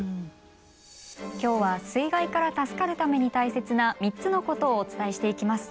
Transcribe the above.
今日は水害から助かるために大切な３つのことをお伝えしていきます。